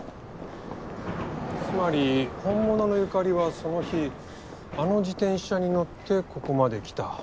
つまり本物のユカリはその日あの自転車に乗ってここまで来た。